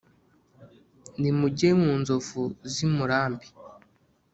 nimuge mu nzovu z’i murambi